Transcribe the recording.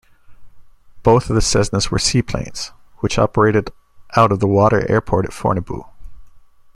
Both the Cessnas were seaplanes, which operated out of the water airport at Fornebu.